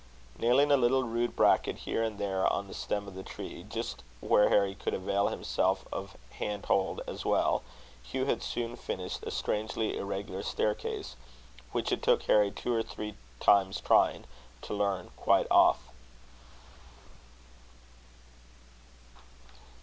Nailing a little rude bracket here and there on the stem of the tree, just where Harry could avail himself of hand hold as well, Hugh had soon finished a strangely irregular staircase, which it took Harry two or three times trying, to learn quite off.